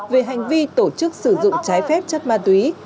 về hành vi tổ chức sử dụng trái phép chất ma túy